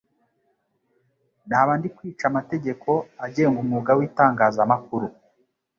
naba ndi kwica amategeko agenga umwuga w'itangazamakuru,